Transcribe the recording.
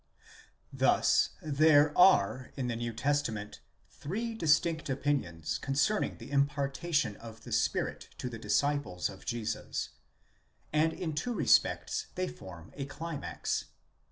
Thus there are in the New Testament three distinct opinions concerning the impartation of the Spirit to the disciples of Jesus; and in two respects they form a climax.